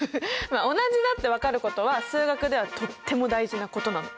まあ同じだって分かることは数学ではとっても大事なことなの。